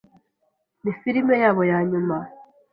Ni filime yabo ya nyuma.